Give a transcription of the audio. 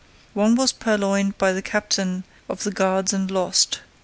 One was purloined by the captain of the guards and lost.